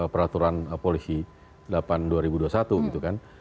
peraturan polisi delapan dua ribu dua puluh satu gitu kan